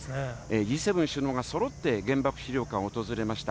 Ｇ７首脳がそろって原爆資料館を訪れました。